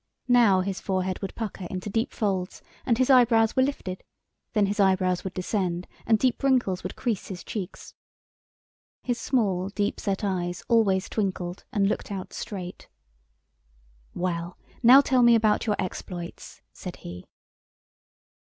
Now his forehead would pucker into deep folds and his eyebrows were lifted, then his eyebrows would descend and deep wrinkles would crease his cheeks. His small, deep set eyes always twinkled and looked out straight. "Well, now tell me about your exploits," said he.